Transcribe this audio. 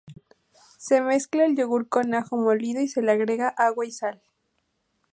Se mezcla el yogur con ajo molido y se le agrega agua y sal.